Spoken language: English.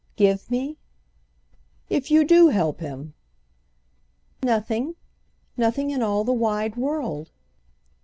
"Give me?" "If you do help him." "Nothing. Nothing in all the wide world."